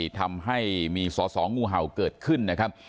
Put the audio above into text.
ทำให้มีสอสองูเห่าเกิดขึ้นนะครับ